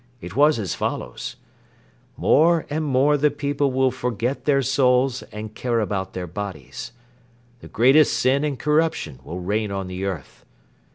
It was as follows: "'More and more the people will forget their souls and care about their bodies. The greatest sin and corruption will reign on the earth.